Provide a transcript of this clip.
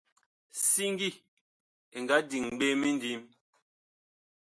Siŋgi ɛ nga diŋ ɓe mindim.